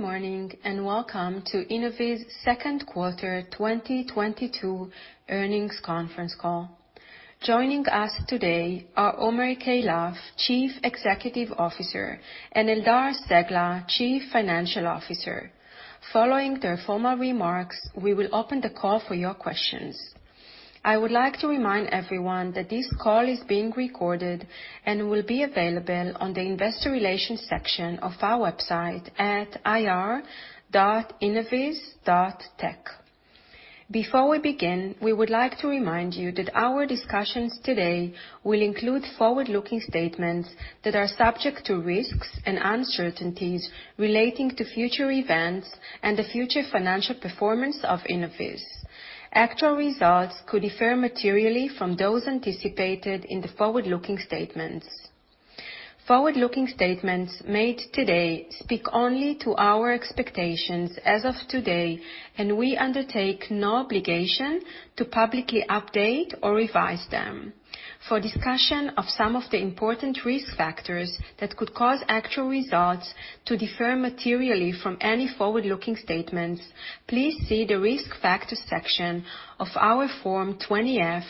Morning, welcome to Innoviz second quarter 2022 earnings conference call. Joining us today are Omer Keilaf, Chief Executive Officer, and Eldar Cegla, Chief Financial Officer. Following their formal remarks, we will open the call for your questions. I would like to remind everyone that this call is being recorded and will be available on the investor relations section of our website at ir.innoviz.tech. Before we begin, we would like to remind you that our discussions today will include forward-looking statements that are subject to risks and uncertainties relating to future events and the future financial performance of Innoviz. Actual results could differ materially from those anticipated in the forward-looking statements. Forward-looking statements made today speak only to our expectations as of today, and we undertake no obligation to publicly update or revise them. For discussion of some of the important risk factors that could cause actual results to differ materially from any forward-looking statements, please see the Risk Factors section of our Form 20-F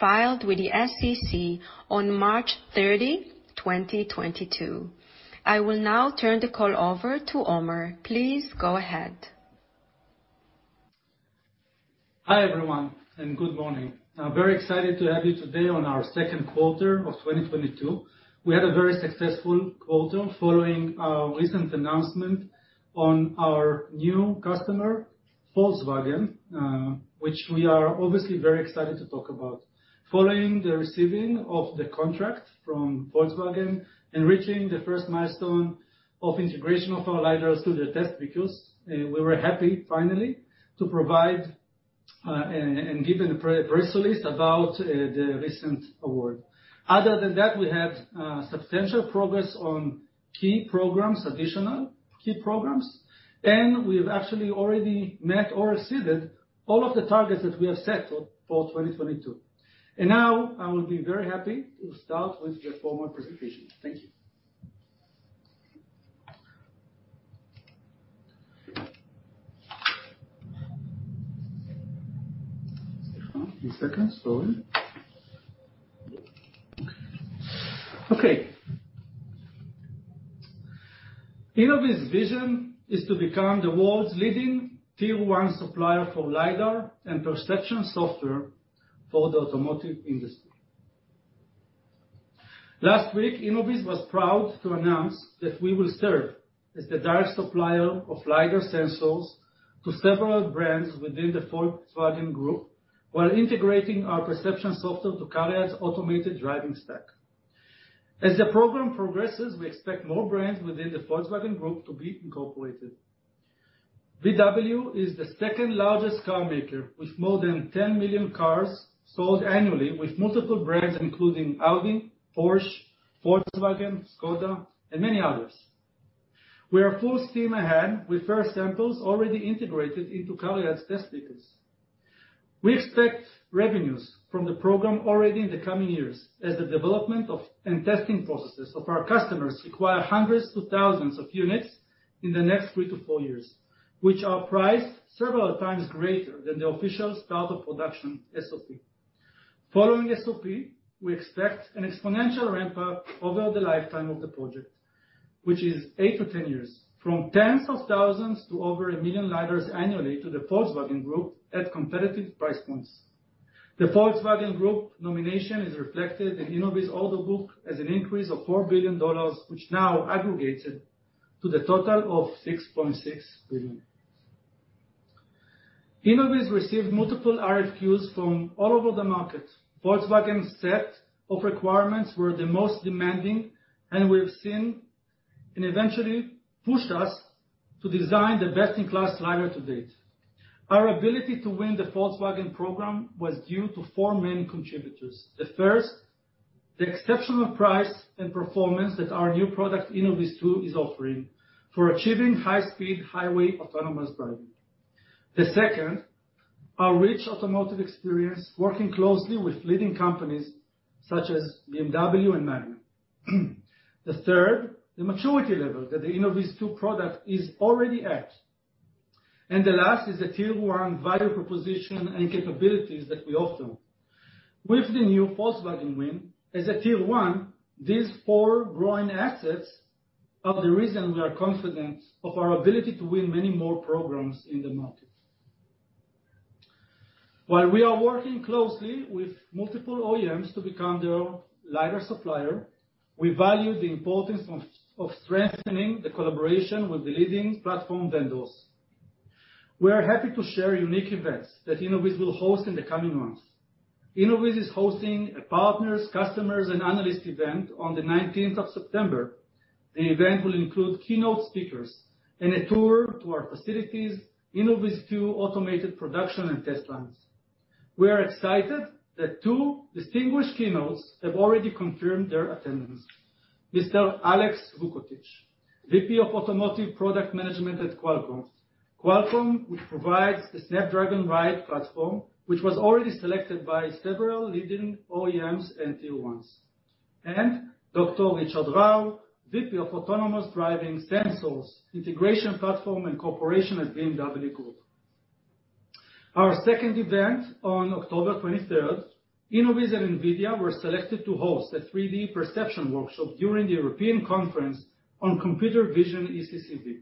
filed with the SEC on March 30, 2022. I will now turn the call over to Omer. Please go ahead. Hi, everyone, and good morning. I'm very excited to have you today on our second quarter of 2022. We had a very successful quarter following our recent announcement on our new customer, Volkswagen, which we are obviously very excited to talk about. Following the receiving of the contract from Volkswagen and reaching the first milestone of integration of our LiDARs to the test vehicles, we were happy finally to provide and give a press release about the recent award. Other than that, we have substantial progress on key programs, additional key programs, and we've actually already met or exceeded all of the targets that we have set for 2022. Now I will be very happy to start with the formal presentation. Thank you. Just one second. Sorry. Okay. Innoviz vision is to become the world's leading Tier-1 supplier for LiDAR and perception software for the automotive industry. Last week, Innoviz was proud to announce that we will serve as the direct supplier of LiDAR sensors to several brands within the Volkswagen Group while integrating our perception software to CARIAD's automated driving stack. As the program progresses, we expect more brands within the Volkswagen Group to be incorporated. VW is the second-largest car maker with more than 10 million cars sold annually with multiple brands including Audi, Porsche, Volkswagen, Škoda, and many others. We are full steam ahead with first samples already integrated into CARIAD's test vehicles. We expect revenues from the program already in the coming years as the development of, and testing processes of our customers require hundreds to thousands of units in the next three to four years, which are priced several times greater than the official start of production, SOP. Following SOP, we expect an exponential ramp up over the lifetime of the project, which is eight to 10 years. From tens of thousands to over 1 million LiDARs annually to the Volkswagen Group at competitive price points. The Volkswagen Group nomination is reflected in Innoviz order book as an increase of $4 billion which now aggregates it to the total of $6.6 billion. Innoviz received multiple RFQs from all over the market. Volkswagen's set of requirements were the most demanding and eventually pushed us to design the best-in-class LiDAR to date. Our ability to win the Volkswagen program was due to four main contributors. The first, the exceptional price and performance that our new product, InnovizTwo, is offering for achieving high-speed highway autonomous driving. The second, our rich automotive experience, working closely with leading companies such as BMW and Magna. The third, the maturity level that the InnovizTwo product is already at. The last is the Tier-1 value proposition and capabilities that we offer. With the new Volkswagen win, as a Tier-1, these four growing assets are the reason we are confident of our ability to win many more programs in the market. While we are working closely with multiple OEMs to become their LiDAR supplier, we value the importance of strengthening the collaboration with the leading platform vendors. We are happy to share unique events that Innoviz will host in the coming months. Innoviz is hosting a partners, customers, and analysts event on September 19. The event will include keynote speakers and a tour to our facilities, InnovizTwo automated production and test runs. We are excited that two distinguished keynotes have already confirmed their attendance. Mr. Alex Vukotich, VP of Automotive Product Management at Qualcomm. Qualcomm, which provides the Snapdragon Ride platform, which was already selected by several leading OEMs and Tier-1s. Dr. Richard Rau, VP of Autonomous Driving Sensors, Integration Platform and Corporation at BMW Group. Our second event on October 23, Innoviz and NVIDIA were selected to host a 3D perception workshop during the European Conference on Computer Vision ECCV.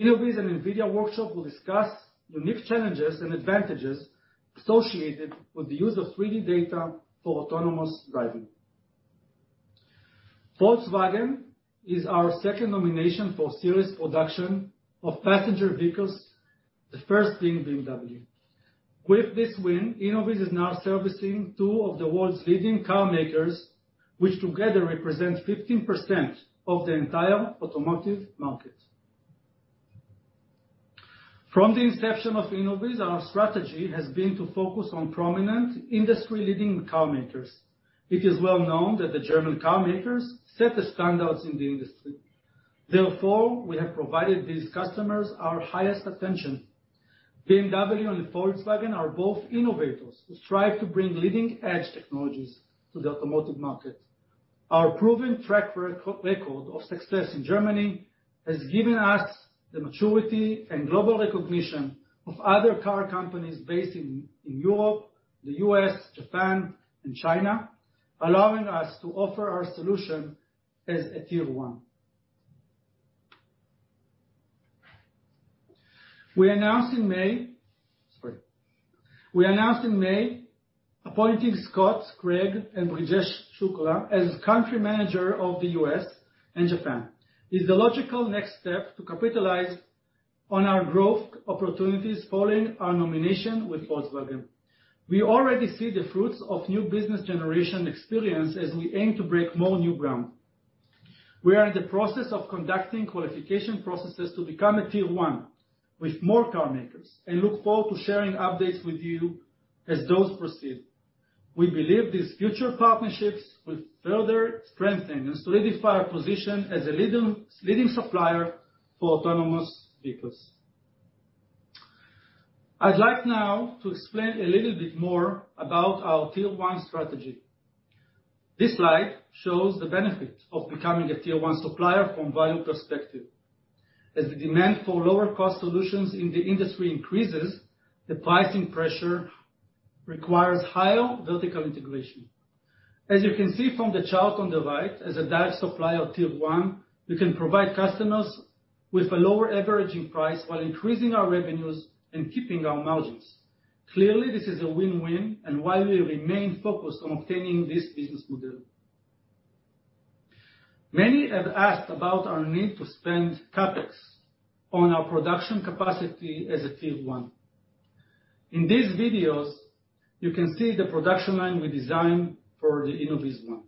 Innoviz and NVIDIA workshop will discuss unique challenges and advantages associated with the use of 3D data for autonomous driving. Volkswagen is our second nomination for series production of passenger vehicles, the first being BMW. With this win, Innoviz is now servicing two of the world's leading car makers, which together represent 15% of the entire automotive market. From the inception of Innoviz, our strategy has been to focus on prominent industry-leading car makers. It is well known that the German car makers set the standards in the industry. Therefore, we have provided these customers our highest attention. BMW and Volkswagen are both innovators who strive to bring leading-edge technologies to the automotive market. Our proven track record of success in Germany has given us the maturity and global recognition of other car companies based in Europe, the U.S., Japan, and China, allowing us to offer our solution as a Tier-1. We announced in May appointing Scott Craig and Brijesh Shukla as country manager of the U.S. and Japan. It's the logical next step to capitalize on our growth opportunities following our nomination with Volkswagen. We already see the fruits of new business generation experience as we aim to break more new ground. We are in the process of conducting qualification processes to become a Tier-1 with more car makers and look forward to sharing updates with you as those proceed. We believe these future partnerships will further strengthen and solidify our position as a leading supplier for autonomous vehicles. I'd like now to explain a little bit more about our Tier-1 strategy. This slide shows the benefit of becoming a Tier-1 supplier from volume perspective. As the demand for lower cost solutions in the industry increases, the pricing pressure requires higher vertical integration. As you can see from the chart on the right, as a direct supplier Tier-1, we can provide customers with a lower averaging price while increasing our revenues and keeping our margins. Clearly, this is a win-win, and why we remain focused on obtaining this business model. Many have asked about our need to spend CapEx on our production capacity as a Tier-1. In these videos, you can see the production line we designed for the InnovizOne.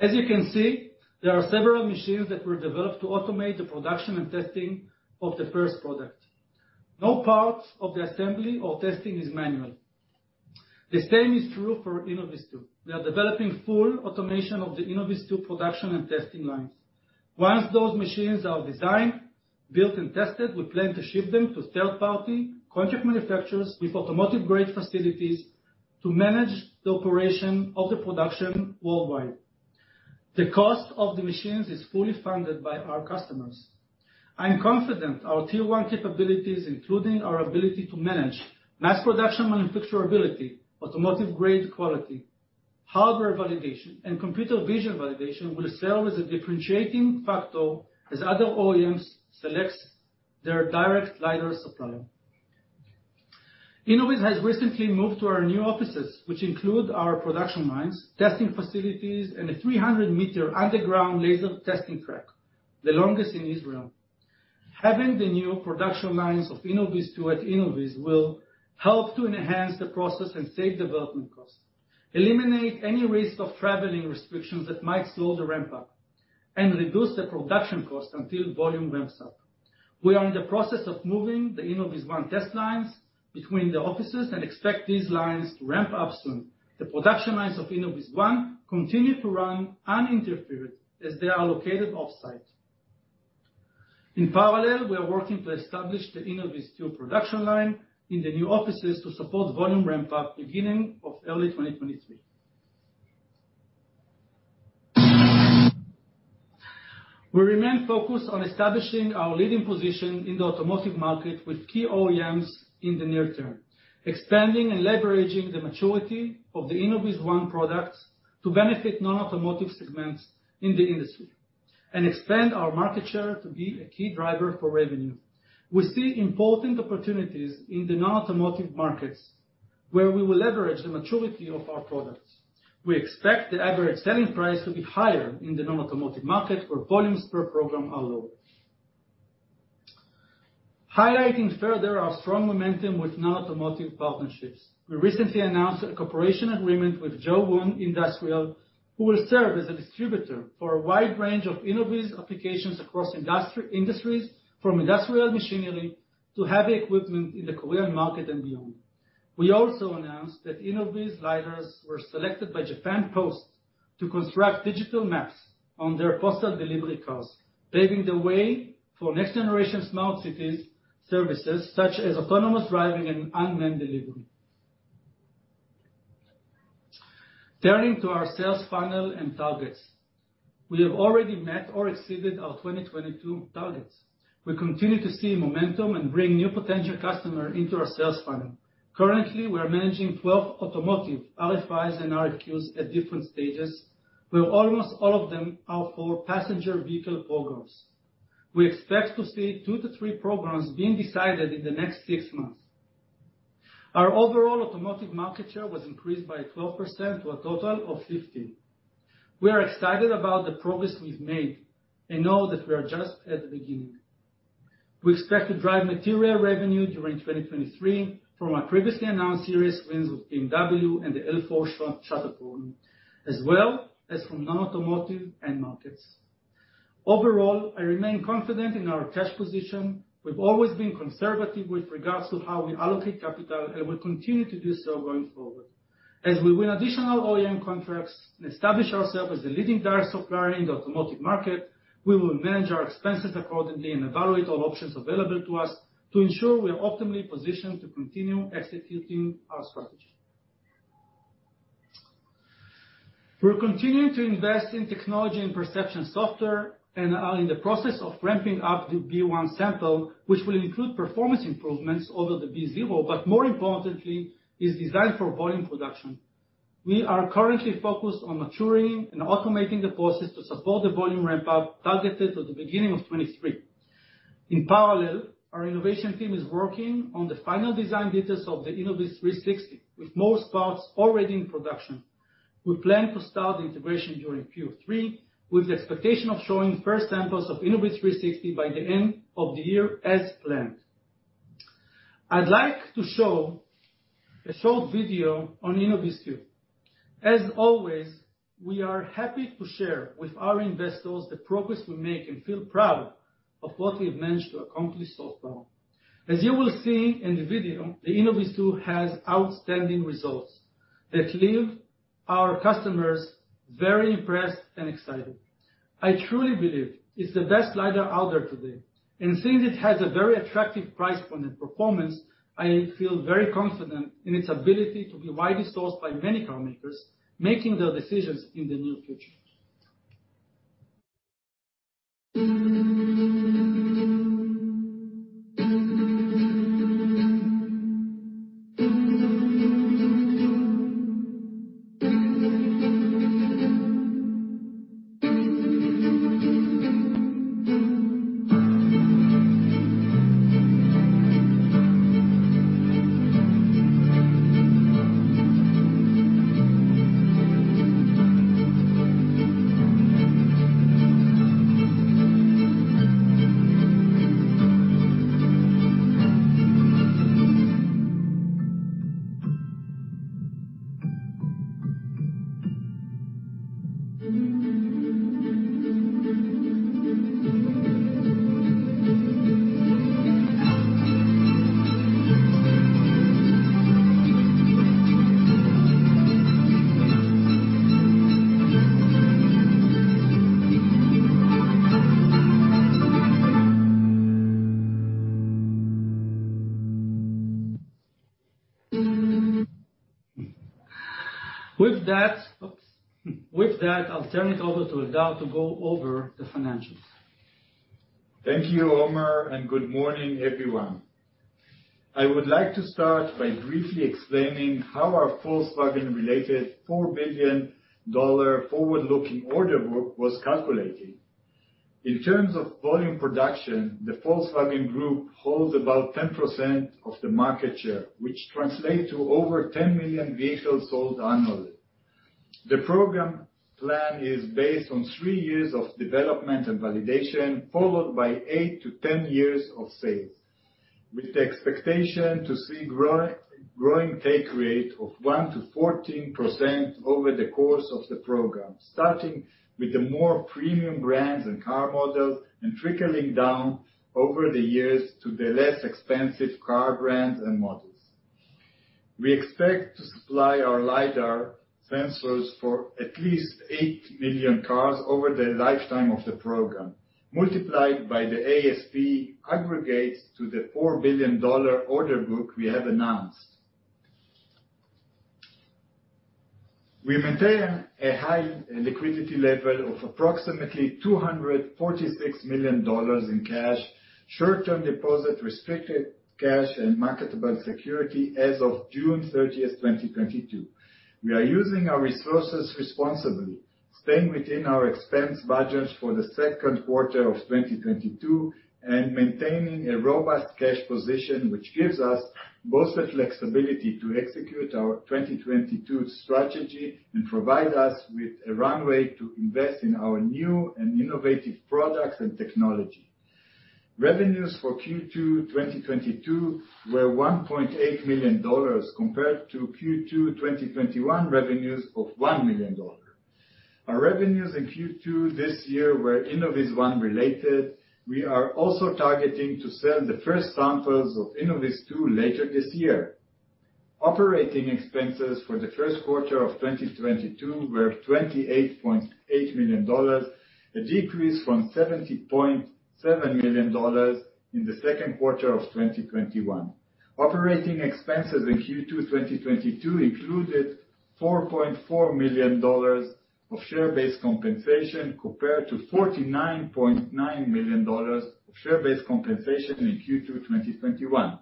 As you can see, there are several machines that were developed to automate the production and testing of the first product. No parts of the assembly or testing is manual. The same is true for InnovizTwo. We are developing full automation of the InnovizTwo production and testing lines. Once those machines are designed, built, and tested, we plan to ship them to third-party contract manufacturers with automotive-grade facilities to manage the operation of the production worldwide. The cost of the machines is fully funded by our customers. I am confident our Tier-1 capabilities, including our ability to manage mass production manufacturability, automotive grade quality, hardware validation, and computer vision validation, will serve as a differentiating factor as other OEMs selects their direct LiDAR supplier. Innoviz has recently moved to our new offices, which include our production lines, testing facilities, and a 300-meter underground laser testing track, the longest in Israel. Having the new production lines of InnovizTwo at Innoviz will help to enhance the process and save development costs, eliminate any risk of traveling restrictions that might slow the ramp up, and reduce the production cost until volume ramps up. We are in the process of moving the InnovizOne test lines between the offices and expect these lines to ramp up soon. The production lines of InnovizOne continue to run uninterrupted as they are located offsite. In parallel, we are working to establish the InnovizTwo production line in the new offices to support volume ramp up beginning early 2023. We remain focused on establishing our leading position in the automotive market with key OEMs in the near term, expanding and leveraging the maturity of the InnovizOne products to benefit non-automotive segments in the industry, and expand our market share to be a key driver for revenue. We see important opportunities in the non-automotive markets where we will leverage the maturity of our products. We expect the average selling price to be higher in the non-automotive market where volumes per program are lower. Highlighting further our strong momentum with non-automotive partnerships. We recently announced a cooperation agreement with Joowon Industrial Co., Ltd., who will serve as a distributor for a wide range of Innoviz applications across industries from industrial machinery to heavy equipment in the Korean market and beyond. We also announced that Innoviz LiDARs were selected by Japan Post to construct digital maps on their postal delivery cars, paving the way for next generation smart cities services such as autonomous driving and unmanned delivery. Turning to our sales funnel and targets. We have already met or exceeded our 2022 targets. We continue to see momentum and bring new potential customer into our sales funnel. Currently, we are managing 12 automotive RFIs and RFQs at different stages, where almost all of them are for passenger vehicle programs. We expect to see two to three programs being decided in the next six months. Our overall automotive market share increased by 12% to a total of 15%. We are excited about the progress we've made and know that we are just at the beginning. We expect to drive material revenue during 2023 from our previously announced series wins with BMW and the L4 shuttle pool, as well as from non-automotive end markets. Overall, I remain confident in our cash position. We've always been conservative with regards to how we allocate capital, and we'll continue to do so going forward. As we win additional OEM contracts and establish ourselves as a leading LiDAR supplier in the automotive market, we will manage our expenses accordingly and evaluate all options available to us to ensure we are optimally positioned to continue executing our strategy. We're continuing to invest in technology and perception software and are in the process of ramping up the V1 sample, which will include performance improvements over the V0, but more importantly, is designed for volume production. We are currently focused on maturing and automating the process to support the volume ramp-up targeted to the beginning of 2023. In parallel, our innovation team is working on the final design details of the Innoviz360 with most parts already in production. We plan to start the integration during Q3 with the expectation of showing first samples of Innoviz360 by the end of the year as planned. I'd like to show a short video on InnovizTwo. As always, we are happy to share with our investors the progress we make and feel proud of what we've managed to accomplish so far. As you will see in the video, the InnovizTwo has outstanding results that leave our customers very impressed and excited. I truly believe it's the best LiDAR out there today, and since it has a very attractive price point and performance, I feel very confident in its ability to be widely sourced by many car makers making their decisions in the near future. With that, I'll turn it over to Eldar to go over the financials. Thank you, Omer, and good morning, everyone. I would like to start by briefly explaining how our Volkswagen-related $4 billion forward-looking order book was calculated. In terms of volume production, the Volkswagen Group holds about 10% of the market share, which translates to over 10 million vehicles sold annually. The program plan is based on three years of development and validation, followed by eight to 10 years of sales, with the expectation to see growing take rate of 1%-14% over the course of the program, starting with the more premium brands and car models, and trickling down over the years to the less expensive car brands and models. We expect to supply our LiDAR sensors for at least 8 million cars over the lifetime of the program. Multiplied by the ASP aggregates to the $4 billion order book we have announced. We maintain a high liquidity level of approximately $246 million in cash, short-term deposits, restricted cash, and marketable security as of June 30, 2022. We are using our resources responsibly, staying within our expense budgets for the second quarter of 2022, and maintaining a robust cash position, which gives us both the flexibility to execute our 2022 strategy and provide us with a runway to invest in our new and innovative products and technology. Revenues for Q2 2022 were $1.8 million compared to Q2 2021 revenues of $1 million. Our revenues in Q2 this year were InnovizOne related. We are also targeting to sell the first samples of InnovizTwo later this year. Operating expenses for the first quarter of 2022 were $28.8 million, a decrease from $70.7 million in the second quarter of 2021. Operating expenses in Q2 2022 included $4.4 million of share-based compensation compared to $49.9 million of share-based compensation in Q2 2021.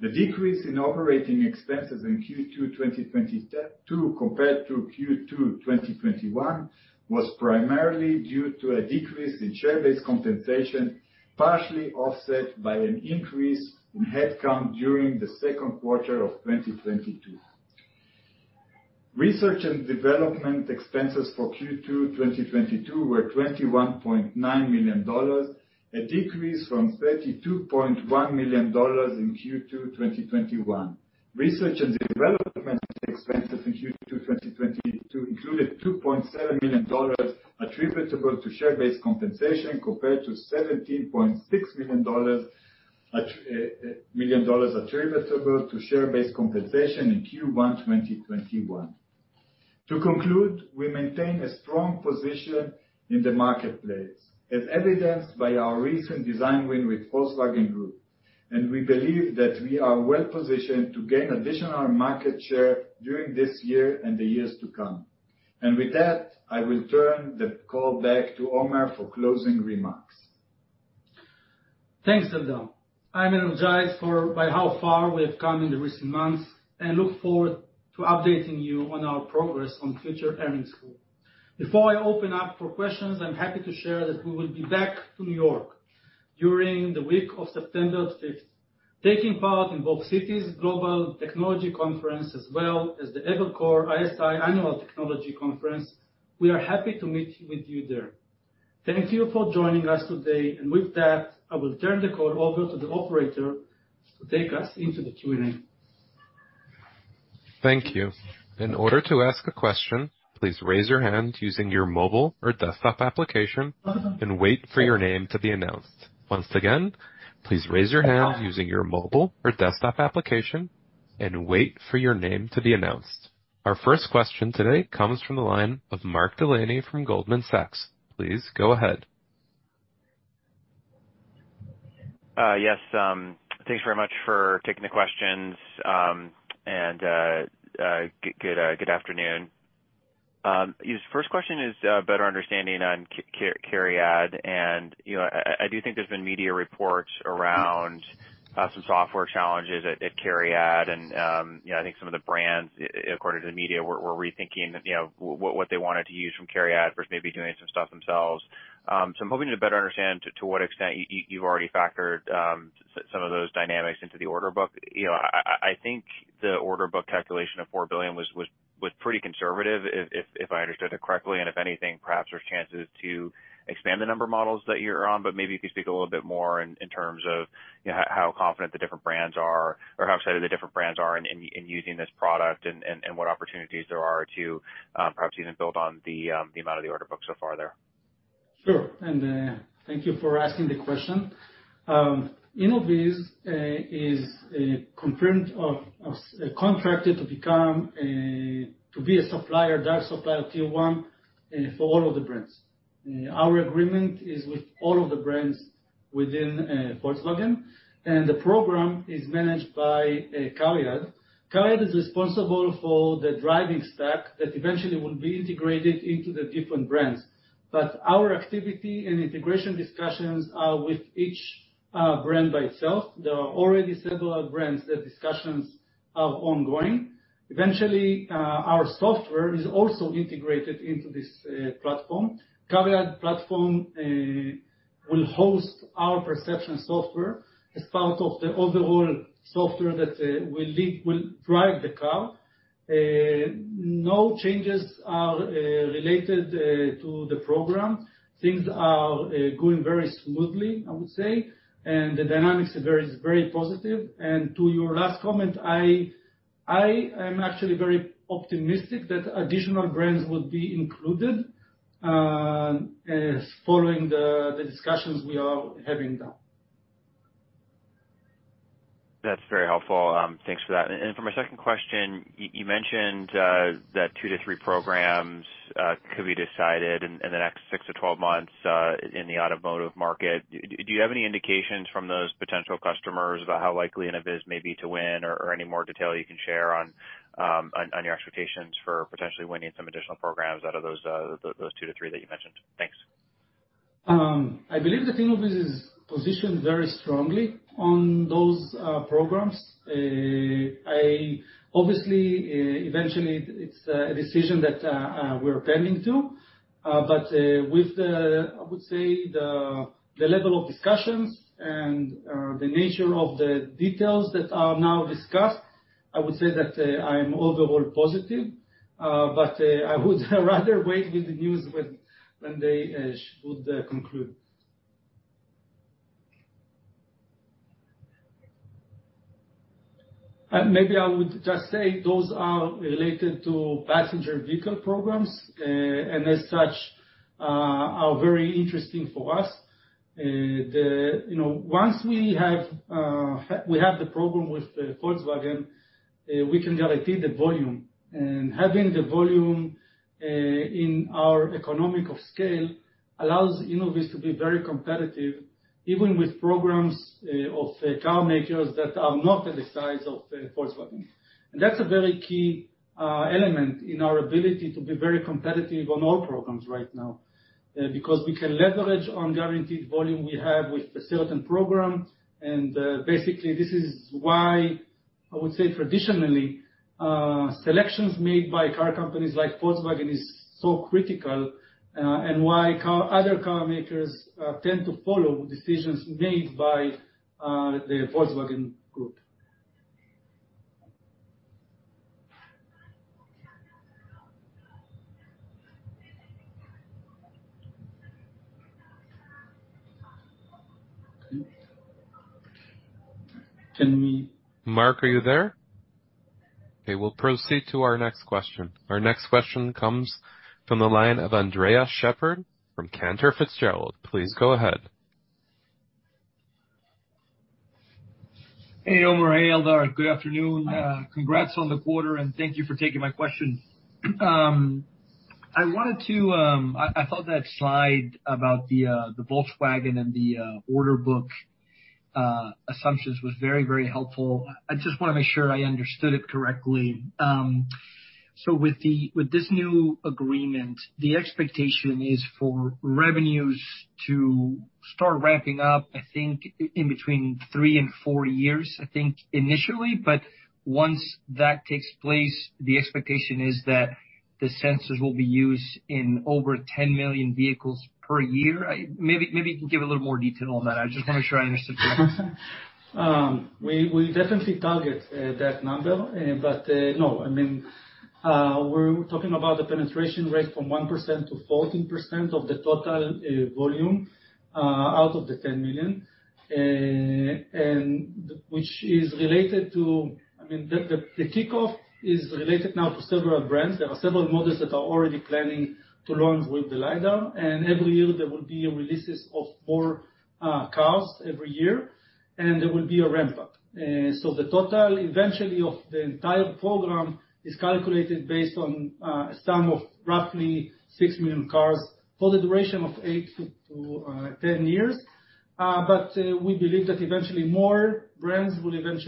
The decrease in operating expenses in Q2 2022 compared to Q2 2021 was primarily due to a decrease in share-based compensation, partially offset by an increase in headcount during the second quarter of 2022. Research and development expenses for Q2 2022 were $21.9 million, a decrease from $32.1 million in Q2 2021. Research and development expenses in Q2 2022 included $2.7 million attributable to share-based compensation compared to $17.6 million attributable to share-based compensation in Q1 2021. To conclude, we maintain a strong position in the marketplace, as evidenced by our recent design win with Volkswagen Group, and we believe that we are well-positioned to gain additional market share during this year and the years to come. With that, I will turn the call back to Omer for closing remarks. Thanks, Eldar. I'm energized by how far we have come in the recent months and look forward to updating you on our progress on future earnings call. Before I open up for questions, I'm happy to share that we will be back to New York during the week of September 5th, taking part in both Citi Global Technology Conference, as well as the Evercore ISI Annual Technology Conference. We are happy to meet with you there. Thank you for joining us today. With that, I will turn the call over to the operator to take us into the Q&A. Thank you. In order to ask a question, please raise your hand using your mobile or desktop application and wait for your name to be announced. Once again, please raise your hand using your mobile or desktop application and wait for your name to be announced. Our first question today comes from the line of Mark Delaney from Goldman Sachs. Please go ahead. Yes. Thanks very much for taking the questions, and good afternoon. First question is better understanding on CARIAD. You know, I do think there's been media reports around some software challenges at CARIAD. You know, I think some of the brands, according to the media, were rethinking you know what they wanted to use from CARIAD versus maybe doing some stuff themselves. I'm hoping to better understand to what extent you've already factored some of those dynamics into the order book. You know, I think the order book calculation of $4 billion was pretty conservative if I understood it correctly, and if anything, perhaps there's chances to expand the number of models that you're on, but maybe you could speak a little bit more in terms of, you know, how confident the different brands are or how excited the different brands are in using this product and what opportunities there are to, perhaps even build on the amount of the order book so far there. Sure. Thank you for asking the question. Innoviz is confirmed or contracted to be a supplier, direct supplier, Tier-1, for all of the brands. Our agreement is with all of the brands within Volkswagen, and the program is managed by CARIAD. CARIAD is responsible for the driving stack that eventually will be integrated into the different brands. Our activity and integration discussions are with each brand by itself. There are already several brands that discussions are ongoing. Eventually, our software is also integrated into this platform. CARIAD platform will host our perception software as part of the overall software that will drive the car. No changes are related to the program. Things are going very smoothly, I would say, and the dynamics are very, very positive. To your last comment, I am actually very optimistic that additional brands will be included as following the discussions we are having now. That's very helpful. Thanks for that. For my second question, you mentioned that two to three programs could be decided in the next six to 12 months in the automotive market. Do you have any indications from those potential customers about how likely Innoviz may be to win or any more detail you can share on your expectations for potentially winning some additional programs out of those two to three that you mentioned? Thanks. I believe that Innoviz is positioned very strongly on those programs. I obviously eventually it's a decision that we're pending to. With that, I would say, the level of discussions and the nature of the details that are now discussed, I would say that I am overall positive. I would rather wait with the news when they would conclude. Maybe I would just say those are related to passenger vehicle programs and as such are very interesting for us. You know, once we have the program with Volkswagen, we can guarantee the volume. Having the volume in our economies of scale allows Innoviz to be very competitive, even with programs of car makers that are not at the size of Volkswagen. That's a very key element in our ability to be very competitive on all programs right now, because we can leverage on guaranteed volume we have with a certain program. Basically, this is why I would say traditionally, selections made by car companies like Volkswagen is so critical, and why other car makers tend to follow decisions made by the Volkswagen Group. Can we- Mark, are you there? Okay, we'll proceed to our next question. Our next question comes from the line of Andres Sheppard from Cantor Fitzgerald. Please go ahead. Hey, Omer, Eldar, good afternoon. Congrats on the quarter and thank you for taking my question. I thought that slide about the Volkswagen and the order book assumptions was very, very helpful. I just wanna make sure I understood it correctly. With this new agreement, the expectation is for revenues to start ramping up, I think in between three and four years, I think initially. Once that takes place, the expectation is that the sensors will be used in over 10 million vehicles per year. Maybe you can give a little more detail on that. I just wanna make sure I understood it. We definitely target that number, but no. I mean, we're talking about the penetration rate from 1%-14% of the total volume out of the 10 million, and which is related to. I mean, the kickoff is related now to several brands. There are several models that are already planning to launch with the LiDAR, and every year there will be releases of more cars every year, and there will be a ramp-up. The total eventually of the entire program is calculated based on a sum of roughly six million cars for the duration of eight to 10 years. We believe that eventually more brands will use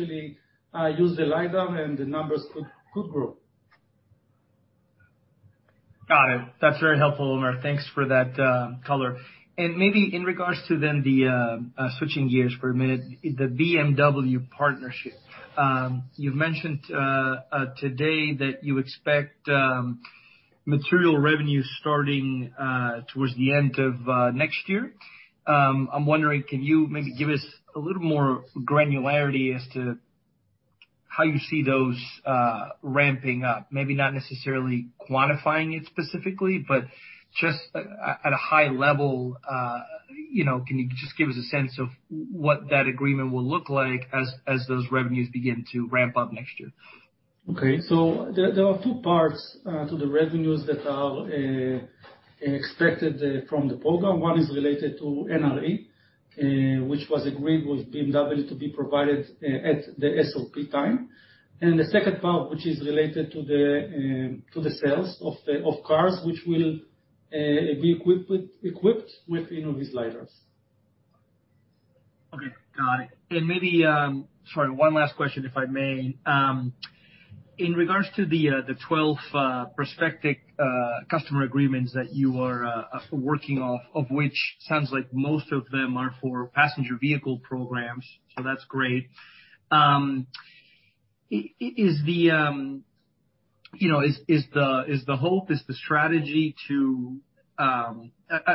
the LiDAR and the numbers could grow. Got it. That's very helpful, Omer. Thanks for that, color. Maybe in regards to then the switching gears for a minute, the BMW partnership. You've mentioned today that you expect material revenue starting towards the end of next year. I'm wondering, can you maybe give us a little more granularity as to how you see those ramping up? Maybe not necessarily quantifying it specifically, but just at a high level, you know, can you just give us a sense of what that agreement will look like as those revenues begin to ramp up next year? Okay. There are two parts to the revenues that are expected from the program. One is related to NRE, which was agreed with BMW to be provided at the SOP time. The second part, which is related to the sales of cars, which will be equipped with Innoviz LiDARs. Okay. Got it. Maybe, sorry, one last question if I may. In regards to the 12 prospective customer agreements that you are working off, of which sounds like most of them are for passenger vehicle programs, so that's great. Is the hope, the strategy to, I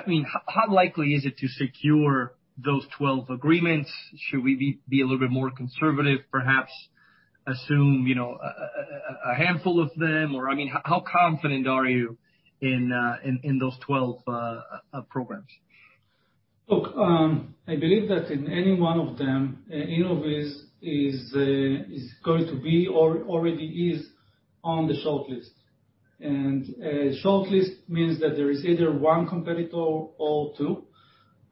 mean, how likely is it to secure those 12 agreements? Should we be a little bit more conservative, perhaps assume, you know, a handful of them? Or, I mean, how confident are you in those 12 programs? Look, I believe that in any one of them, Innoviz is going to be or already is on the shortlist. A shortlist means that there is either one competitor or two.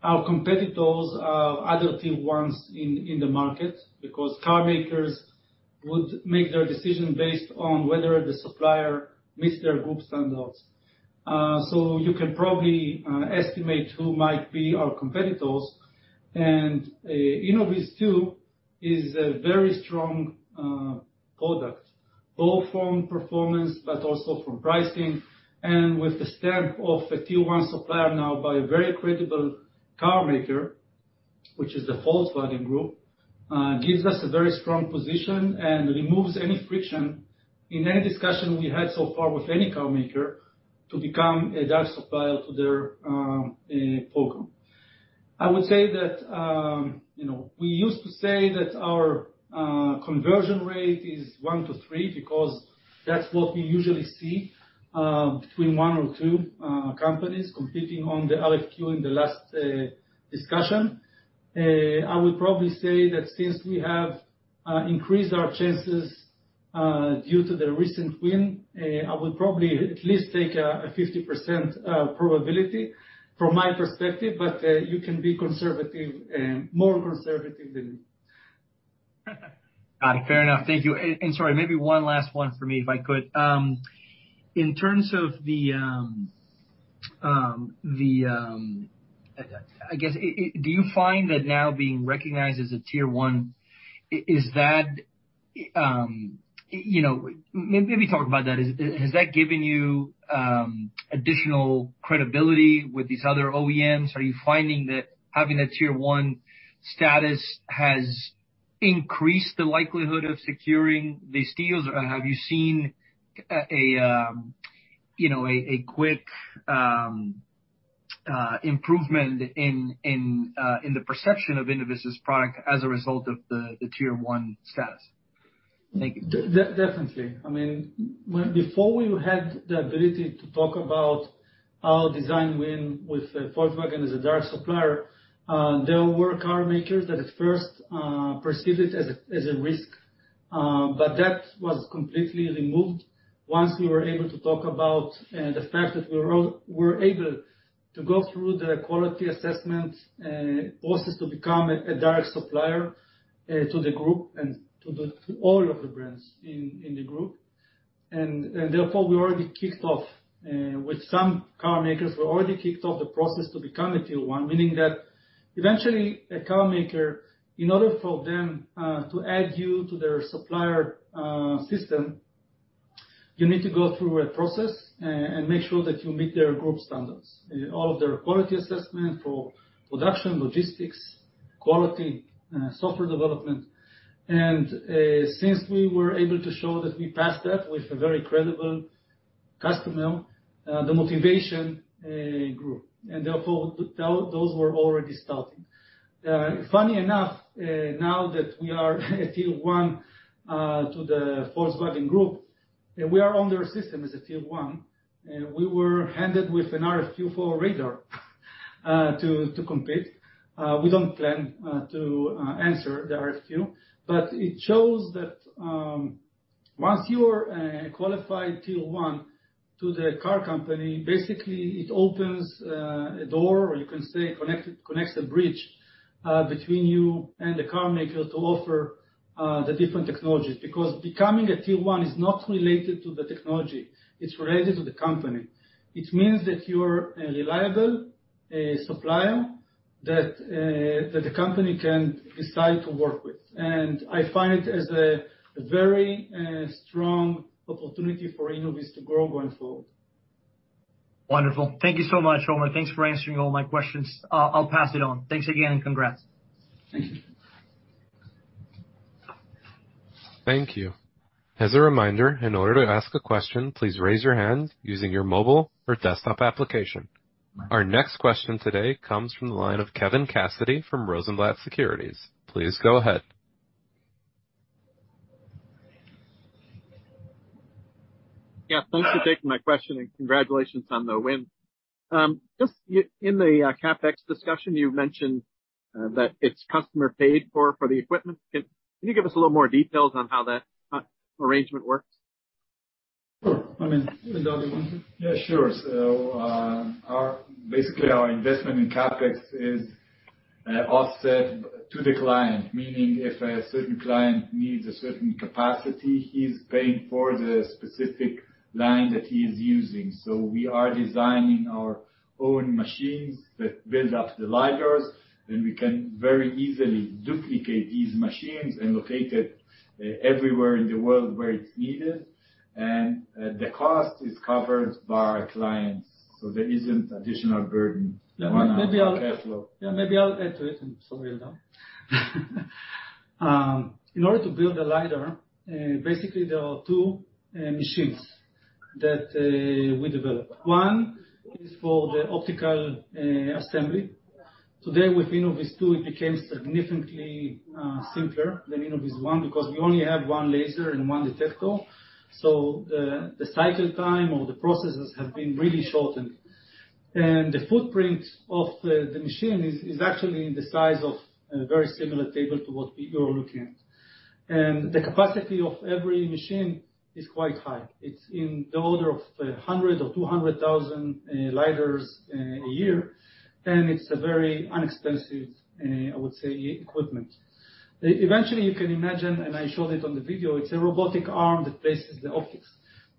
Our competitors are other Tier-1s in the market because car makers would make their decision based on whether the supplier meets their group standards. You can probably estimate who might be our competitors. InnovizTwo is a very strong product, both from performance but also from pricing. With the stamp of a Tier-1 supplier now by a very credible car maker, which is the Volkswagen Group, gives us a very strong position and removes any friction in any discussion we had so far with any car maker to become a direct supplier to their program. I would say that, you know, we used to say that our conversion rate is one to three because that's what we usually see, between one or two companies competing on the RFQ in the last discussion. I would probably say that since we have increased our chances due to the recent win, I would probably at least take a 50% probability from my perspective, but you can be conservative, more conservative than me. Got it. Fair enough. Thank you. Sorry, maybe one last one for me, if I could. In terms of the, I guess, do you find that now being recognized as a Tier-1, is that you know. Maybe talk about that. Has that given you additional credibility with these other OEMs? Are you finding that having a Tier-1 status has increased the likelihood of securing these deals? Or have you seen a quick improvement in the perception of Innoviz's product as a result of the Tier-1 status? Thank you. Definitely. I mean, before we had the ability to talk about our design win with Volkswagen as a direct supplier, there were car makers that at first perceived it as a risk. That was completely removed once we were able to talk about the fact that we were able to go through the quality assessment process to become a direct supplier to the group and to all of the brands in the group. Therefore, we already kicked off with some car makers. We already kicked off the process to become a Tier-1, meaning that eventually a car maker, in order for them to add you to their supplier system, you need to go through a process and make sure that you meet their group standards. All of their quality assessment for production, logistics, quality, software development. Since we were able to show that we passed that with a very credible customer, the motivation grew, and therefore, those were already starting. Funny enough, now that we are a Tier-1 to the Volkswagen Group, and we are on their system as a Tier-1, we were handed with an RFQ for radar to compete. We don't plan to answer the RFQ, but it shows that, once you're a qualified Tier-1 to the car company, basically it opens a door, or you can say connects the bridge between you and the car maker to offer the different technologies. Because becoming a Tier-1 is not related to the technology, it's related to the company. It means that you're a reliable supplier that the company can decide to work with. I find it as a very strong opportunity for Innoviz to grow going forward. Wonderful. Thank you so much, Omer. Thanks for answering all my questions. I'll pass it on. Thanks again, and congrats. Thank you. Thank you. As a reminder, in order to ask a question, please raise your hand using your mobile or desktop application. Our next question today comes from the line of Kevin Garrigan from Rosenblatt Securities. Please go ahead. Yeah, thanks for taking my question, and congratulations on the win. Just in the CapEx discussion, you mentioned that it's customer paid for the equipment. Can you give us a little more details on how that arrangement works? Sure. I mean, Eldar, you want to? Yeah, sure. Our investment in CapEx is offset to the client, meaning if a certain client needs a certain capacity, he's paying for the specific line that he is using. We are designing our own machines that build up the LiDARs, and we can very easily duplicate these machines and locate it everywhere in the world where it's needed. The cost is covered by our clients, so there isn't additional burden. Yeah, maybe I'll. on our cash flow. Yeah, maybe I'll add to it, and sorry, Eldar. In order to build a LiDAR, basically there are two machines that we developed. One is for the optical assembly. Today with InnovizTwo it became significantly simpler than InnovizOne because we only have one laser and one detector, so the cycle time or the processes have been really shortened. The footprint of the machine is actually the size of a very similar table to what you're looking at. The capacity of every machine is quite high. It's in the order of 100 or 200,000 LiDARs in a year, and it's a very inexpensive, I would say, equipment. Eventually, you can imagine, and I showed it on the video, it's a robotic arm that places the optics.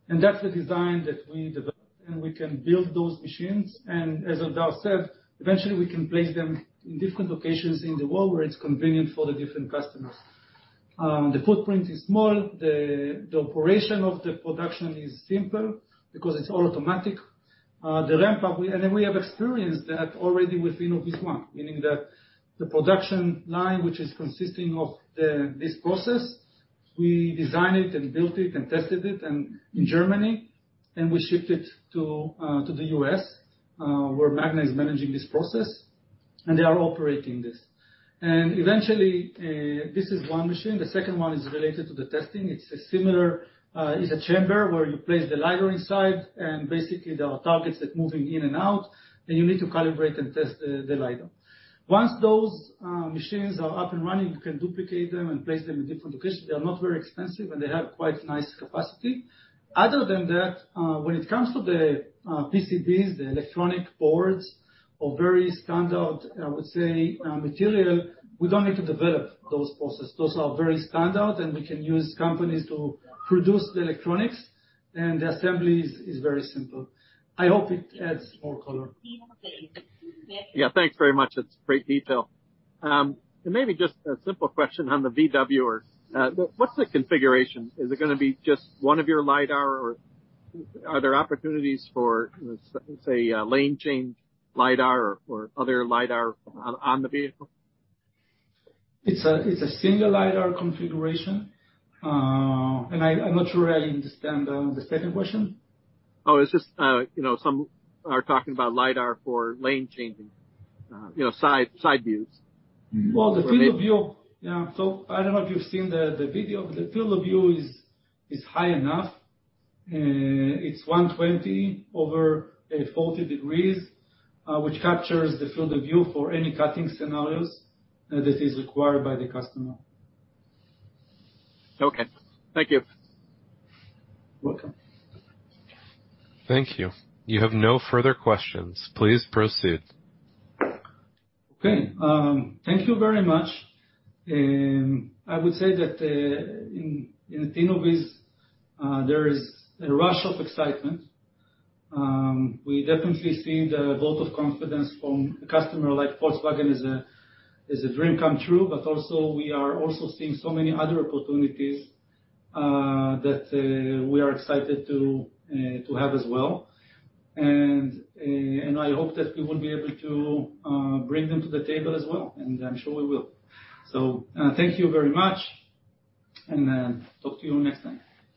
That's the design that we developed, and we can build those machines, and as Eldar said, eventually we can place them in different locations in the world where it's convenient for the different customers. The footprint is small. The operation of the production is simple because it's all automatic. The ramp up and then we have experienced that already with InnovizOne, meaning that the production line which is consisting of this process, we designed it and built it and tested it in Germany, then we shipped it to the U.S., where Magna is managing this process. They are operating this. Eventually, this is one machine. The second one is related to the testing. It's a chamber where you place the LiDAR inside, and basically there are targets that are moving in and out, and you need to calibrate and test the LiDAR. Once those machines are up and running, you can duplicate them and place them in different locations. They are not very expensive, and they have quite nice capacity. Other than that, when it comes to the PCBs, the electronic boards are very standard, I would say, material. We don't need to develop those processes. Those are very standard, and we can use companies to produce the electronics, and the assembly is very simple. I hope it adds more color. Yeah. Thanks very much. That's great detail. Maybe just a simple question on the Volkswagen or, what's the configuration? Is it gonna be just one of your LiDAR or are there opportunities for, say, a lane change LiDAR or other LiDAR on the vehicle? It's a single-LiDAR configuration. I'm not sure I understand the second question. Oh, it's just, you know, some are talking about LiDAR for lane changing, you know, side views. Well, the field of view. Yeah. I don't know if you've seen the video. The field of view is high enough. It's 120 over 40 degrees, which captures the field of view for any cut-in scenarios that is required by the customer. Okay. Thank you. Welcome. Thank you. You have no further questions. Please proceed. Okay. Thank you very much. I would say that in Innoviz there is a rush of excitement. We definitely see the vote of confidence from a customer like Volkswagen is a dream come true. Also, we are also seeing so many other opportunities that we are excited to have as well. I hope that we will be able to bring them to the table as well, and I'm sure we will. Thank you very much, and talk to you next time.